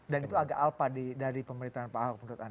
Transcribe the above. dan itu agak alpa dari pemerintahan pak ahok menurut anda